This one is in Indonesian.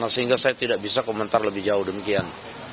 sehingga saya tidak bisa komentar lebih jauh demikian